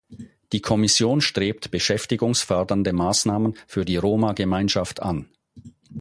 Die Kommission strebt beschäftigungsfördernde Maßnahmen für die Roma-Gemeinschaft an.